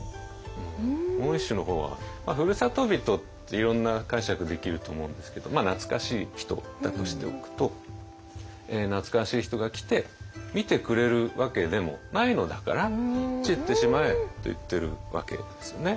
もう一首の方は「ふる里人」っていろんな解釈できると思うんですけどまあ懐かしい人だとしておくと「懐かしい人が来て見てくれるわけでもないのだから散ってしまえ」と言ってるわけですよね。